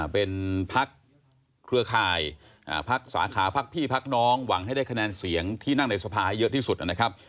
เป็นพักเครือข่ายพักสาขาพักพี่พักน้องหวังให้ได้คะแนนเสียงที่นั่งในสภาให้เยอะที่สุดนะครับ